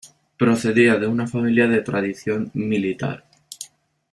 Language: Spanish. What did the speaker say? Procedía de una familia de tradición militar.